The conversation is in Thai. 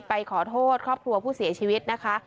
ไปขอโทษครอบครัวผู้เสียชีวิตนะคะ